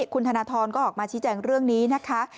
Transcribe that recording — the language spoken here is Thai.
คุณธนทรก็ออกมาชี้แจงเรื่องนี้นะคะ